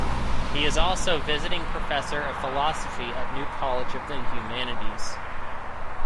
He is also Visiting Professor of Philosophy at New College of the Humanities.